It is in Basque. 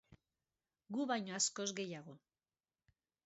Gu baino askoz gehiago.